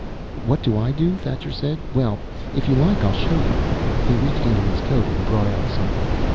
"What do I do?" Thacher said. "Well, if you like, I'll show you." He reached into his coat and brought out something.